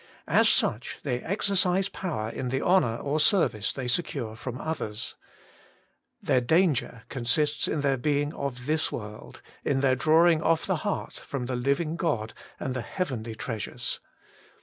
As such they exercise power in the honour or service they secure from others. Their danger consists in their being of this world, in their drawing off the heart from the liv ing God and the heavenly treasures.